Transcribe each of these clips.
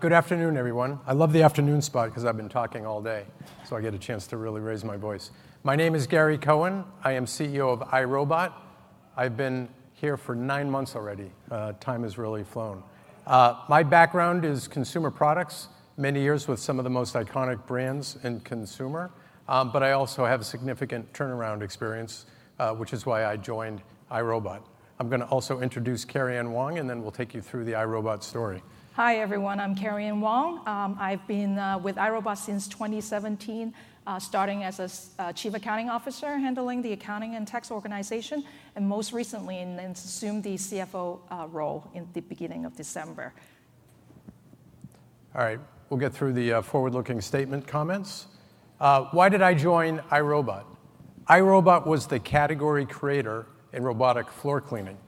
Good afternoon, everyone. I love the afternoon spot because I've been talking all day, so I get a chance to really raise my voice. My name is Gary Cohen. I am CEO of iRobot. I've been here for nine months already. Time has really flown. My background is consumer products, many years with some of the most iconic brands and consumer, but I also have significant turnaround experience, which is why I joined iRobot. I'm going to also introduce Karian Wong, and then we'll take you through the iRobot story. Hi, everyone. I'm Karian Wong. I've been with iRobot since 2017, starting as a Chief Accounting Officer, handling the accounting and tax organization, and most recently in the interim CFO role in the beginning of December. All right, we'll get through the forward-looking statement comments. Why did I join iRobot? iRobot was the category creator in robotic floor cleaning.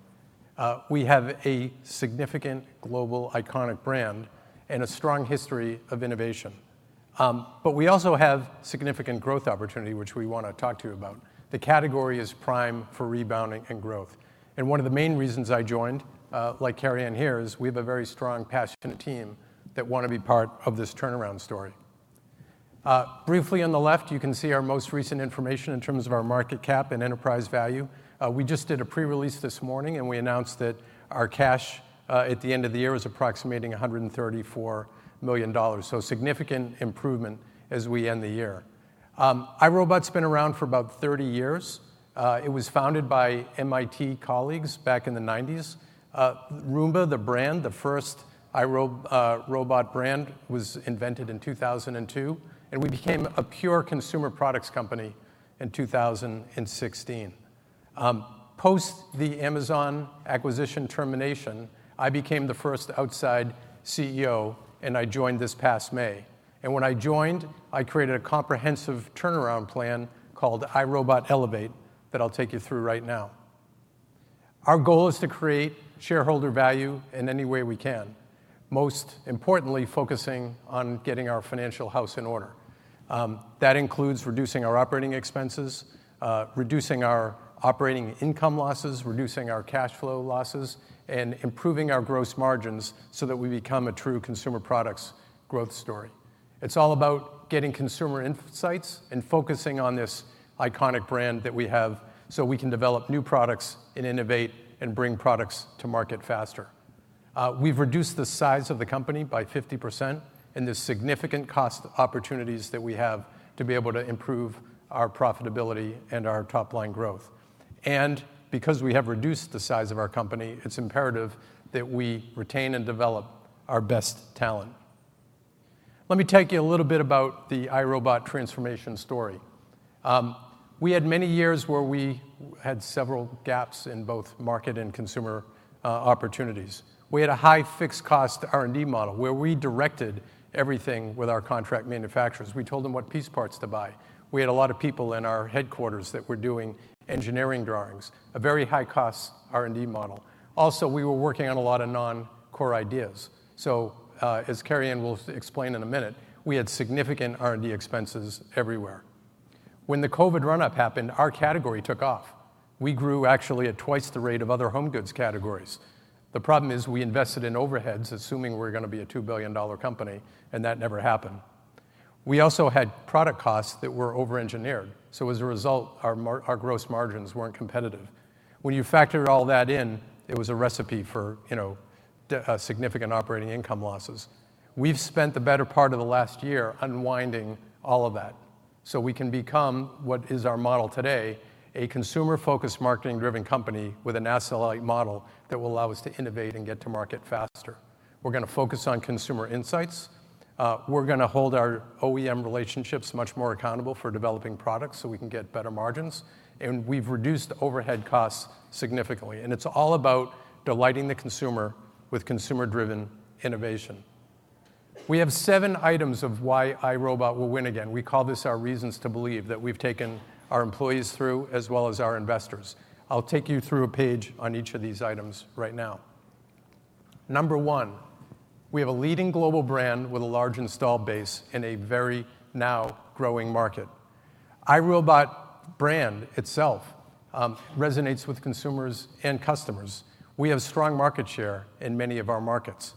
We have a significant global iconic brand and a strong history of innovation. But we also have significant growth opportunity, which we want to talk to you about. The category is prime for rebounding and growth. And one of the main reasons I joined, like Karian here, is we have a very strong, passionate team that want to be part of this turnaround story. Briefly, on the left, you can see our most recent information in terms of our market cap and enterprise value. We just did a pre-release this morning, and we announced that our cash at the end of the year is approximating $134 million, so a significant improvement as we end the year. iRobot's been around for about 30 years. It was founded by MIT colleagues back in the '90s. Roomba, the brand, the first iRobot brand, was invented in 2002, and we became a pure consumer products company in 2016. Post the Amazon acquisition termination, I became the first outside CEO, and I joined this past May, and when I joined, I created a comprehensive turnaround plan called iRobot Elevate that I'll take you through right now. Our goal is to create shareholder value in any way we can, most importantly focusing on getting our financial house in order. That includes reducing our operating expenses, reducing our operating income losses, reducing our cash flow losses, and improving our gross margins so that we become a true consumer products growth story. It's all about getting consumer insights and focusing on this iconic brand that we have so we can develop new products and innovate and bring products to market faster. We've reduced the size of the company by 50%, and there's significant cost opportunities that we have to be able to improve our profitability and our top-line growth, and because we have reduced the size of our company, it's imperative that we retain and develop our best talent. Let me tell you a little bit about the iRobot transformation story. We had many years where we had several gaps in both market and consumer opportunities. We had a high fixed cost R&D model where we directed everything with our contract manufacturers. We told them what piece parts to buy. We had a lot of people in our headquarters that were doing engineering drawings, a very high cost R&D model. Also, we were working on a lot of non-core ideas, so as Karian will explain in a minute, we had significant R&D expenses everywhere. When the COVID run-up happened, our category took off. We grew actually at twice the rate of other home goods categories. The problem is we invested in overheads, assuming we're going to be a $2 billion company, and that never happened. We also had product costs that were over-engineered, so as a result, our gross margins weren't competitive. When you factor all that in, it was a recipe for significant operating income losses. We've spent the better part of the last year unwinding all of that so we can become what is our model today, a consumer-focused, marketing-driven company with an asset-light model that will allow us to innovate and get to market faster. We're going to focus on consumer insights. We're going to hold our OEM relationships much more accountable for developing products so we can get better margins. And we've reduced overhead costs significantly. And it's all about delighting the consumer with consumer-driven innovation. We have seven items of why iRobot will win again. We call this our reasons to believe that we've taken our employees through as well as our investors. I'll take you through a page on each of these items right now. Number one, we have a leading global brand with a large install base in a very now growing market. iRobot brand itself resonates with consumers and customers. We have strong market share in many of our markets.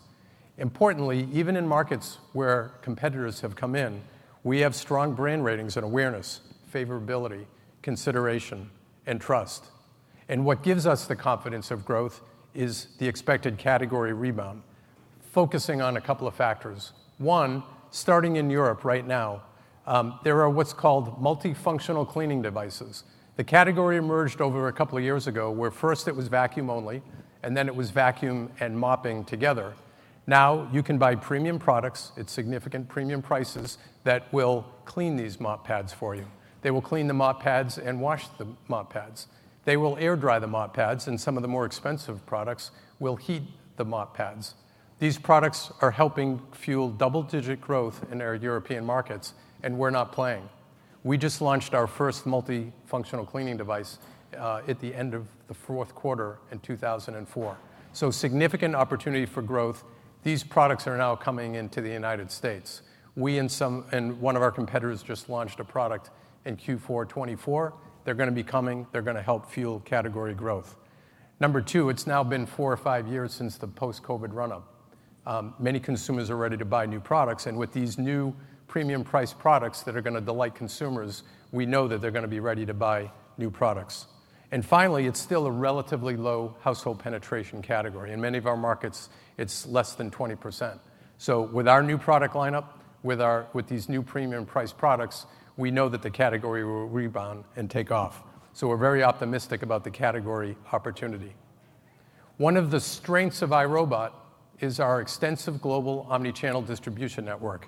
Importantly, even in markets where competitors have come in, we have strong brand ratings and awareness, favorability, consideration, and trust. And what gives us the confidence of growth is the expected category rebound, focusing on a couple of factors. One, starting in Europe right now, there are what's called multifunctional cleaning devices. The category emerged over a couple of years ago where first it was vacuum only, and then it was vacuum and mopping together. Now you can buy premium products at significant premium prices that will clean these mop pads for you. They will clean the mop pads and wash the mop pads. They will air dry the mop pads, and some of the more expensive products will heat the mop pads. These products are helping fuel double-digit growth in our European markets, and we're not playing. We just launched our first multifunctional cleaning device at the end of the fourth quarter in 2024, so significant opportunity for growth. These products are now coming into the United States. We and one of our competitors just launched a product in Q4 2024. They're going to be coming. They're going to help fuel category growth. Number two, it's now been four or five years since the post-COVID run-up. Many consumers are ready to buy new products. And with these new premium-priced products that are going to delight consumers, we know that they're going to be ready to buy new products. And finally, it's still a relatively low household penetration category. In many of our markets, it's less than 20%. So with our new product lineup, with these new premium-priced products, we know that the category will rebound and take off. So we're very optimistic about the category opportunity. One of the strengths of iRobot is our extensive global omnichannel distribution network.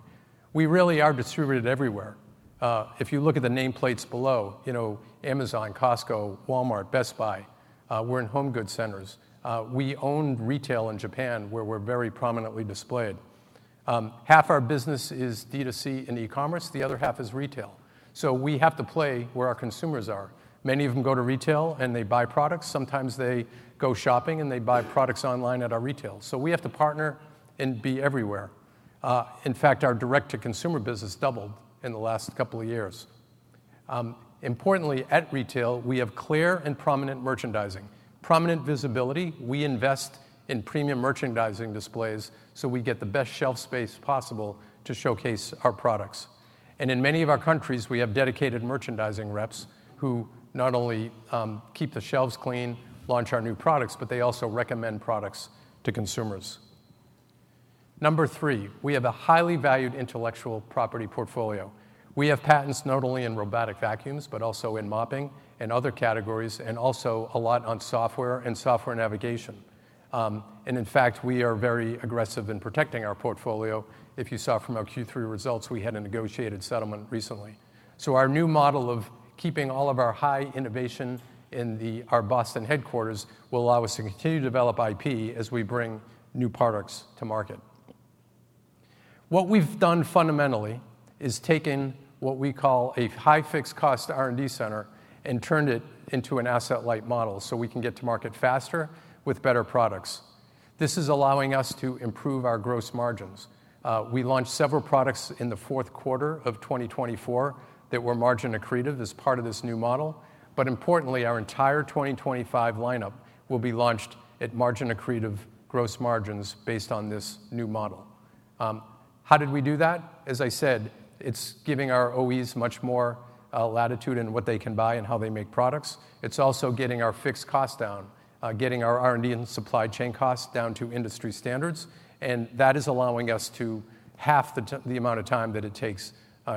We really are distributed everywhere. If you look at the nameplates below, you know Amazon, Costco, Walmart, Best Buy, we're in home goods centers. We own retail in Japan where we're very prominently displayed. Half our business is D2C and e-commerce. The other half is retail, so we have to play where our consumers are. Many of them go to retail, and they buy products. Sometimes they go shopping, and they buy products online at our retail, so we have to partner and be everywhere. In fact, our direct-to-consumer business doubled in the last couple of years. Importantly, at retail, we have clear and prominent merchandising, prominent visibility. We invest in premium merchandising displays so we get the best shelf space possible to showcase our products, and in many of our countries, we have dedicated merchandising reps who not only keep the shelves clean, launch our new products, but they also recommend products to consumers. Number three, we have a highly valued intellectual property portfolio. We have patents not only in robotic vacuums, but also in mopping and other categories, and also a lot on software and software navigation. In fact, we are very aggressive in protecting our portfolio. If you saw from our Q3 results, we had a negotiated settlement recently. Our new model of keeping all of our high innovation in our Boston headquarters will allow us to continue to develop IP as we bring new products to market. What we've done fundamentally is taken what we call a high fixed cost R&D center and turned it into an asset-light model so we can get to market faster with better products. This is allowing us to improve our gross margins. We launched several products in the fourth quarter of 2024 that were margin accretive as part of this new model. Importantly, our entire 2025 lineup will be launched at margin accretive gross margins based on this new model. How did we do that? As I said, it's giving our OEMs much more latitude in what they can buy and how they make products. It's also getting our fixed costs down, getting our R&D and supply chain costs down to industry standards. And that is allowing us to half the amount of time that it takes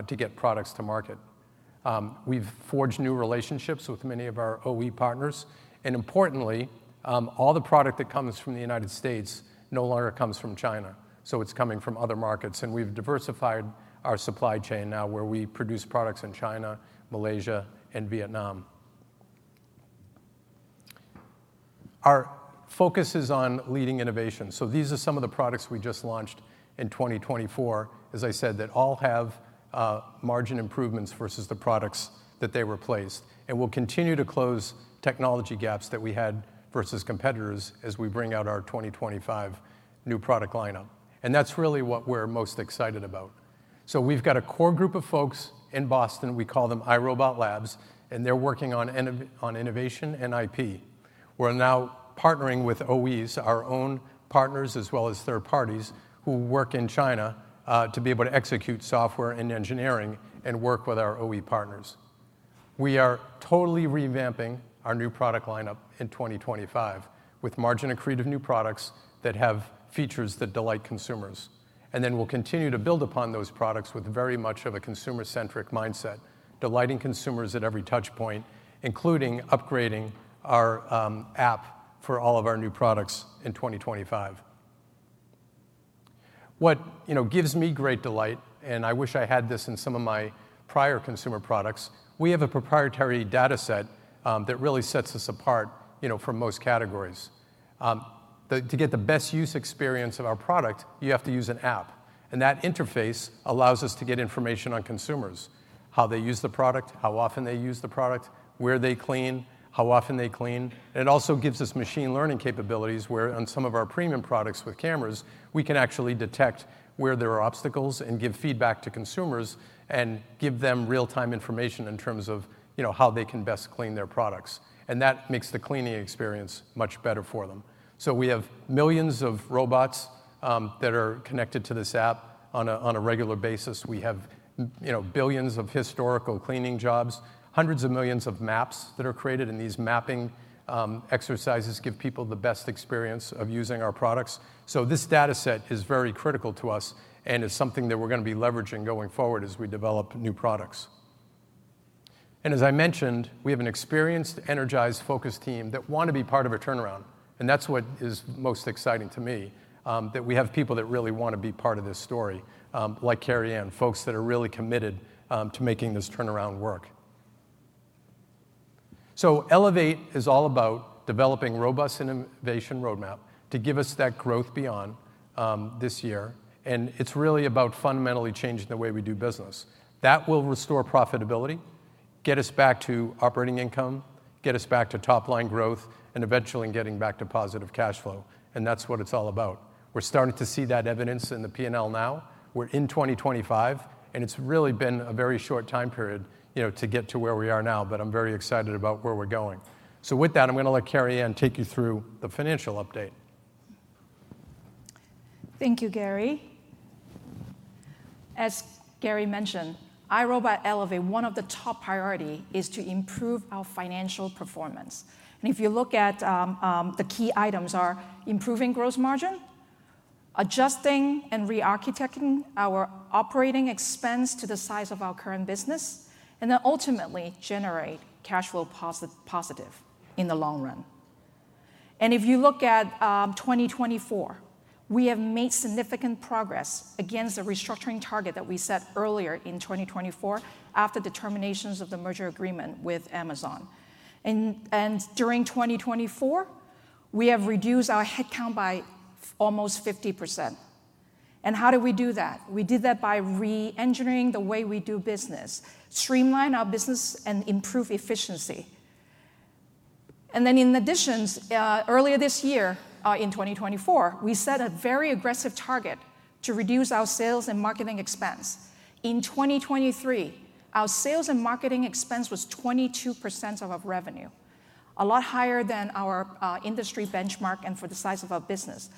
to get products to market. We've forged new relationships with many of our OEM partners. And importantly, all the product that comes from the United States no longer comes from China. So it's coming from other markets. And we've diversified our supply chain now where we produce products in China, Malaysia, and Vietnam. Our focus is on leading innovation. So these are some of the products we just launched in 2024, as I said, that all have margin improvements versus the products that they replaced. And we'll continue to close technology gaps that we had versus competitors as we bring out our 2025 new product lineup. And that's really what we're most excited about. So we've got a core group of folks in Boston. We call them iRobot Labs, and they're working on innovation and IP. We're now partnering with OEMs, our own partners as well as third parties who work in China to be able to execute software and engineering and work with our OEM partners. We are totally revamping our new product lineup in 2025 with margin accretive new products that have features that delight consumers. And then we'll continue to build upon those products with very much of a consumer-centric mindset, delighting consumers at every touchpoint, including upgrading our app for all of our new products in 2025. What gives me great delight, and I wish I had this in some of my prior consumer products, we have a proprietary data set that really sets us apart from most categories. To get the best user experience of our product, you have to use an app, and that interface allows us to get information on consumers, how they use the product, how often they use the product, where they clean, how often they clean, and it also gives us machine learning capabilities where on some of our premium products with cameras, we can actually detect where there are obstacles and give feedback to consumers and give them real-time information in terms of how they can best clean their products, and that makes the cleaning experience much better for them, so we have millions of robots that are connected to this app on a regular basis. We have billions of historical cleaning jobs, hundreds of millions of maps that are created, and these mapping exercises give people the best experience of using our products, so this data set is very critical to us and is something that we're going to be leveraging going forward as we develop new products, and as I mentioned, we have an experienced, energized, focused team that want to be part of a turnaround, and that's what is most exciting to me, that we have people that really want to be part of this story, like Karian, folks that are really committed to making this turnaround work, so Elevate is all about developing robust innovation roadmap to give us that growth beyond this year, and it's really about fundamentally changing the way we do business. That will restore profitability, get us back to operating income, get us back to top-line growth, and eventually getting back to positive cash flow. And that's what it's all about. We're starting to see that evidence in the P&L now. We're in 2025, and it's really been a very short time period to get to where we are now, but I'm very excited about where we're going. So with that, I'm going to let Karian take you through the financial update. Thank you, Gary. As Gary mentioned, iRobot Elevate, one of the top priorities is to improve our financial performance. And if you look at the key items, they are improving gross margin, adjusting and re-architecting our operating expense to the size of our current business, and then ultimately generate cash flow positive in the long run. And if you look at 2024, we have made significant progress against the restructuring target that we set earlier in 2024 after the terminations of the merger agreement with Amazon. And during 2024, we have reduced our headcount by almost 50%. And how did we do that? We did that by re-engineering the way we do business, streamline our business, and improve efficiency. And then in addition, earlier this year in 2024, we set a very aggressive target to reduce our sales and marketing expense. In 2023, our sales and marketing expense was 22% of our revenue, a lot higher than our industry benchmark and for the size of our business.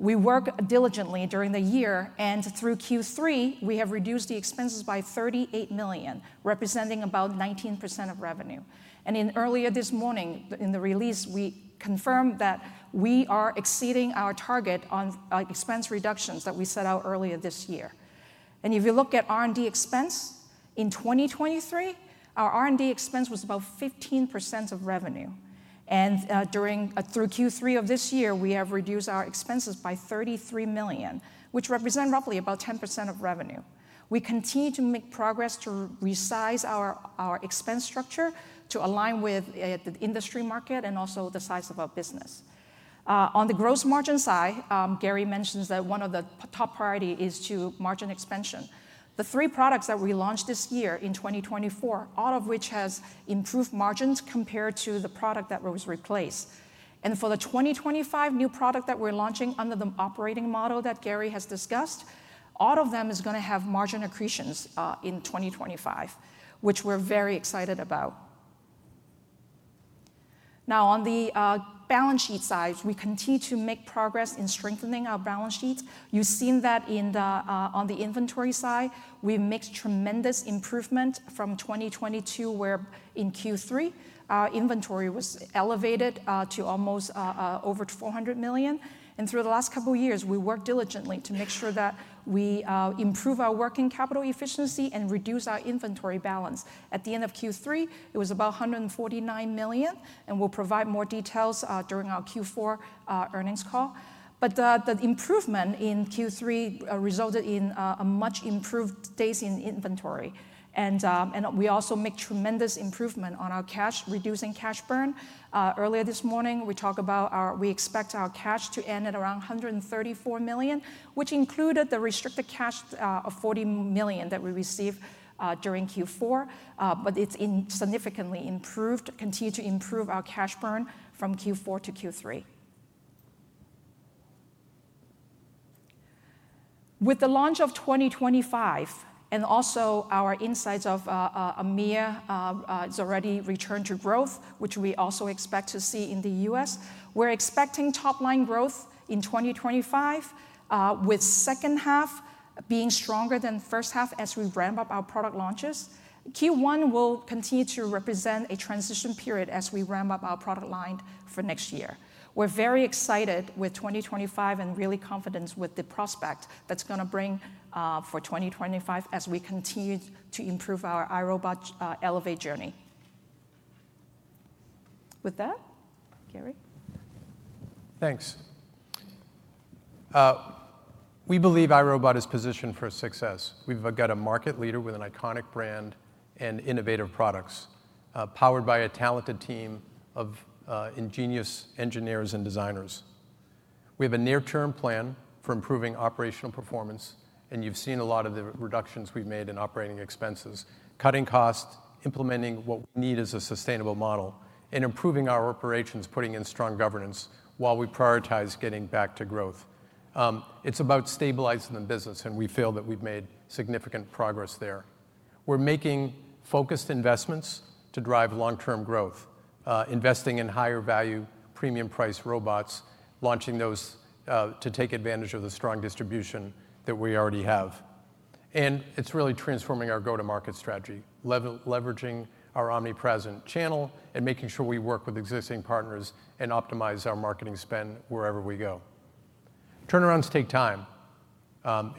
We worked diligently during the year, and through Q3, we have reduced the expenses by $38 million, representing about 19% of revenue. Earlier this morning, in the release, we confirmed that we are exceeding our target on expense reductions that we set out earlier this year. If you look at R&D expense, in 2023, our R&D expense was about 15% of revenue. Through Q3 of this year, we have reduced our expenses by $33 million, which represents roughly about 10% of revenue. We continue to make progress to resize our expense structure to align with the industry market and also the size of our business. On the gross margin side, Gary mentions that one of the top priorities is to margin expansion. The three products that we launched this year in 2024, all of which have improved margins compared to the product that was replaced. For the 2025 new product that we're launching under the operating model that Gary has discussed, all of them are going to have margin accretions in 2025, which we're very excited about. Now, on the balance sheet side, we continue to make progress in strengthening our balance sheets. You've seen that on the inventory side. We've made tremendous improvements from 2022, where in Q3, our inventory was elevated to almost over $400 million. And through the last couple of years, we worked diligently to make sure that we improve our working capital efficiency and reduce our inventory balance. At the end of Q3, it was about $149 million, and we'll provide more details during our Q4 earnings call. But the improvement in Q3 resulted in a much improved state in inventory. And we also made tremendous improvements on our cash, reducing cash burn. Earlier this morning, we talked about our expected cash to end at around $134 million, which included the restricted cash of $40 million that we received during Q4, but it's significantly improved, continued to improve our cash burn from Q4 toQ3. With the launch of 2025 and also our insights of a more robust return to growth, which we also expect to see in the U.S., we're expecting top-line growth in 2025, with the second half being stronger than the first half as we ramp up our product launches. Q1 will continue to represent a transition period as we ramp up our product line for next year. We're very excited with 2025 and really confident with the prospect that's going to bring for 2025 as we continue to improve our iRobot Elevate journey. With that, Gary. Thanks. We believe iRobot is positioned for success. We've got a market leader with an iconic brand and innovative products powered by a talented team of ingenious engineers and designers. We have a near-term plan for improving operational performance, and you've seen a lot of the reductions we've made in operating expenses, cutting costs, implementing what we need as a sustainable model, and improving our operations, putting in strong governance while we prioritize getting back to growth. It's about stabilizing the business, and we feel that we've made significant progress there. We're making focused investments to drive long-term growth, investing in higher-value, premium-priced robots, launching those to take advantage of the strong distribution that we already have, and it's really transforming our go-to-market strategy, leveraging our omnichannel and making sure we work with existing partners and optimize our marketing spend wherever we go. Turnarounds take time.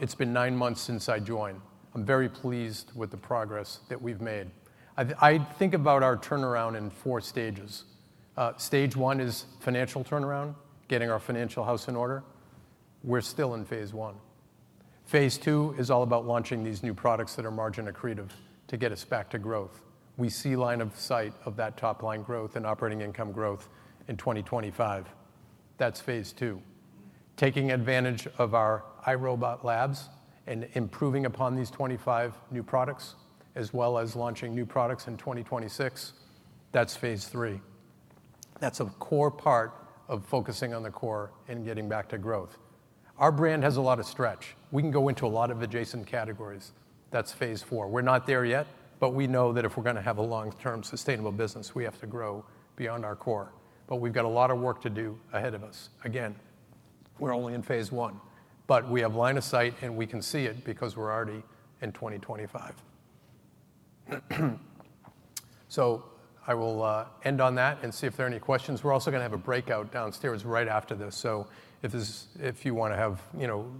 It's been nine months since I joined. I'm very pleased with the progress that we've made. I think about our turnaround in four stages. Stage one is financial turnaround, getting our financial house in order. We're still in phase one. Phase two is all about launching these new products that are margin accretive to get us back to growth. We see the line of sight of that top-line growth and operating income growth in 2025. That's phase two. Taking advantage of our iRobot Labs and improving upon these 25 new products, as well as launching new products in 2026, that's phase three. That's a core part of focusing on the core and getting back to growth. Our brand has a lot of stretch. We can go into a lot of adjacent categories. That's phase four. We're not there yet, but we know that if we're going to have a long-term sustainable business, we have to grow beyond our core. But we've got a lot of work to do ahead of us. Again, we're only in phase one, but we have a line of sight, and we can see it because we're already in 2025. So I will end on that and see if there are any questions. We're also going to have a breakout downstairs right after this. So if you want to have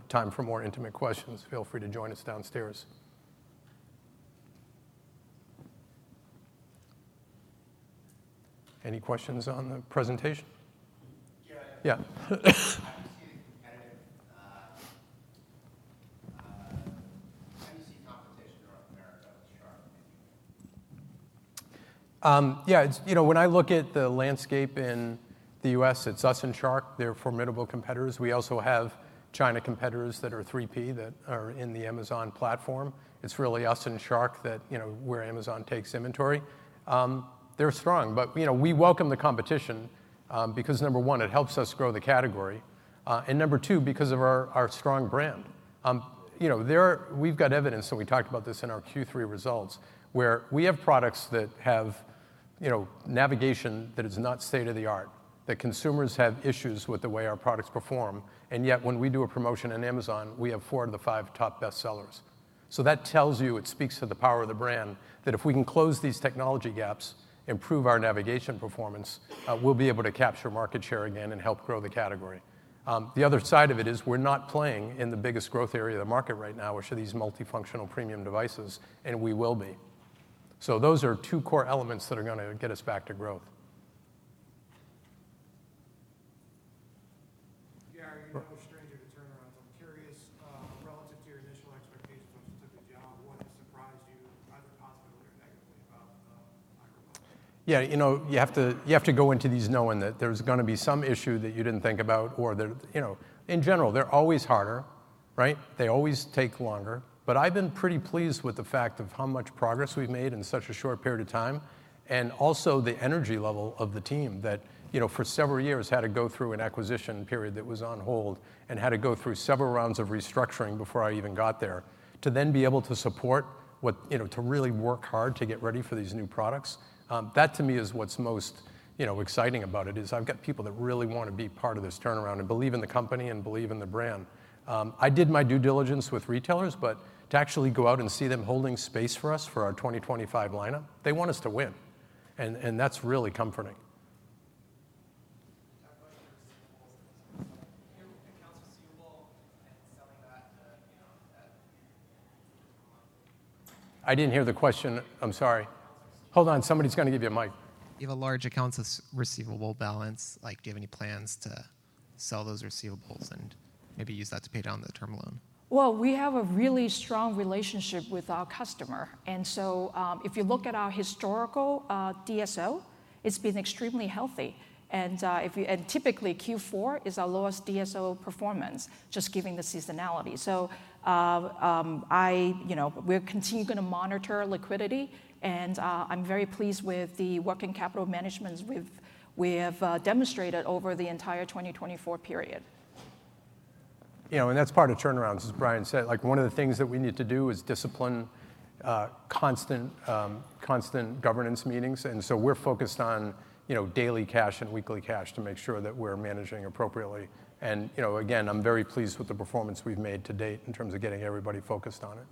time for more intimate questions, feel free to join us downstairs. Any questions on the presentation? Yeah. How do you see the competition in North America with Shark? Yeah. When I look at the landscape in the U.S., it's us and Shark. They're formidable competitors. We also have China competitors that are 3P that are in the Amazon platform. It's really us and Shark where Amazon takes inventory. They're strong, but we welcome the competition because, number one, it helps us grow the category. And number two, because of our strong brand. We've got evidence, and we talked about this in our Q3 results, where we have products that have navigation that is not state-of-the-art, that consumers have issues with the way our products perform. And yet, when we do a promotion on Amazon, we have four of the five top best sellers. So that tells you, it speaks to the power of the brand, that if we can close these technology gaps, improve our navigation performance, we'll be able to capture market share again and help grow the category. The other side of it is we're not playing in the biggest growth area of the market right now, which are these multifunctional premium devices, and we will be. So those are two core elements that are going to get us back to growth. Gary, you're no stranger to turnarounds. I'm curious, relative to your initial expectations on specific jobs, what has surprised you either positively or negatively about iRobot? Yeah. You have to go into these knowing that there's going to be some issue that you didn't think about. In general, they're always harder, right? They always take longer, but I've been pretty pleased with the fact of how much progress we've made in such a short period of time, and also the energy level of the team that for several years had to go through an acquisition period that was on hold and had to go through several rounds of restructuring before I even got there to then be able to support, to really work hard to get ready for these new products. That, to me, is what's most exciting about it, is I've got people that really want to be part of this turnaround and believe in the company and believe in the brand. I did my due diligence with retailers, but to actually go out and see them holding space for us for our 2025 lineup, they want us to win. And that's really comforting. Can you talk about your receivables? Do you have accounts receivable and selling that to? I didn't hear the question. I'm sorry. Hold on. Somebody's going to give you a mic. You have a large accounts receivable balance. Do you have any plans to sell those receivables and maybe use that to pay down the term loan? Well, we have a really strong relationship with our customer. And so if you look at our historical DSO, it's been extremely healthy. And typically, Q4 is our lowest DSO performance, just given the seasonality. So we're continuing to monitor liquidity, and I'm very pleased with the working capital management we have demonstrated over the entire 2024 period. And that's part of turnarounds, as Brian said. One of the things that we need to do is discipline, constant governance meetings. And so we're focused on daily cash and weekly cash to make sure that we're managing appropriately. And again, I'm very pleased with the performance we've made to date in terms of getting everybody focused on it.